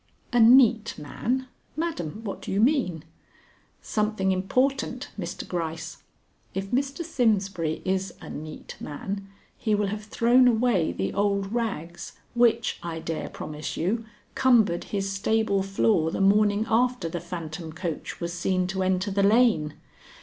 "A neat man? Madam, what do you mean?" "Something important, Mr. Gryce. If Mr. Simsbury is a neat man, he will have thrown away the old rags which, I dare promise you, cumbered his stable floor the morning after the phantom coach was seen to enter the lane.